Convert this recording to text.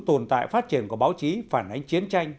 tồn tại phát triển của báo chí phản ánh chiến tranh